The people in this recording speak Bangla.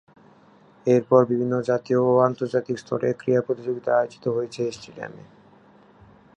এর পর বিভিন্ন জাতীয় ও আন্তর্জাতিক স্তরের ক্রীড়া প্রতিযোগিতা আয়োজিত হয়েছে এই স্টেডিয়ামে।